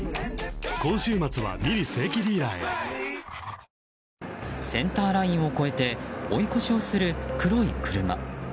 続くセンターラインを越えて追い越しをする黒い車。